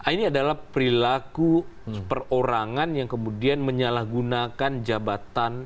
ini adalah perilaku perorangan yang kemudian menyalahgunakan jabatan